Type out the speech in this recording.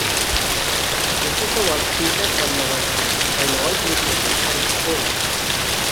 Jessica was featured on the verses while all group members sang the chorus.